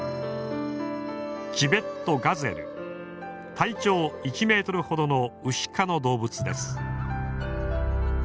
体長１ｍほどのウシ科の動物です。